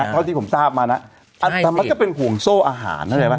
เท่าที่ผมทราบมาทำแล้วก็เป็นห่วงโซ่อาหาร